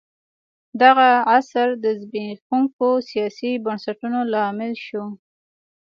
دغه عصر د زبېښونکو سیاسي بنسټونو لامل شو.